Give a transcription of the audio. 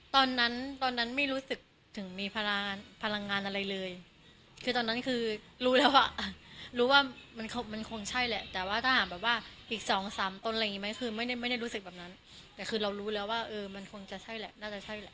ตอนนั้นตอนนั้นไม่รู้สึกถึงมีพลังพลังงานอะไรเลยคือตอนนั้นคือรู้แล้วอ่ะรู้ว่ามันคงใช่แหละแต่ว่าถ้าหากแบบว่าอีกสองสามตนอะไรอย่างนี้ไหมคือไม่ได้ไม่ได้รู้สึกแบบนั้นแต่คือเรารู้แล้วว่าเออมันคงจะใช่แหละน่าจะใช่แหละ